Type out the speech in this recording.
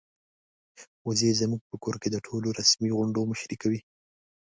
وزې زموږ په کور کې د ټولو رسمي غونډو مشري کوي.